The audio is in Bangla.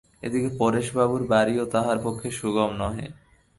এ দিকে পরেশবাবুর বাড়িও তাহার পক্ষে সুগম নহে।